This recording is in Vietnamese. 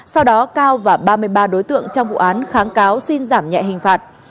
sau đó cao và ba mươi ba đối tượng trong vụ án kháng cáo xin giảm nhẹ hình phạt